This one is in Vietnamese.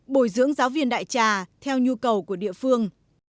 bồi dưỡng giáo viên đại trà theo nhu cầu của địa phương